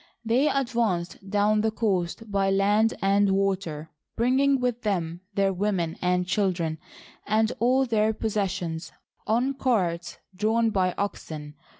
They advanced down the coast by land and water, bringing with them their women and children and all their possessions on carts drawn by oxen.